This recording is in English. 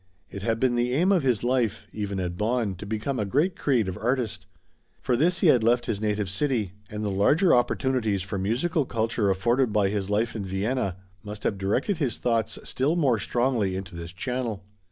It had been the aim of his life, even at Bonn, to become a great creative artist. For this he had left his native city, and the larger opportunities for musical culture afforded by his life in Vienna must have directed his thoughts still more strongly into this channel.